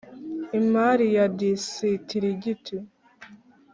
imari ya Disitirigiti